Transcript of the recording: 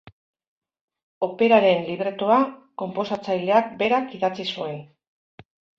Operaren libretoa, konposatzaileak berak idatzi zuen.